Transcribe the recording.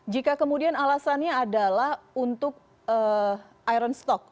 jika kemudian alasannya adalah untuk iron stock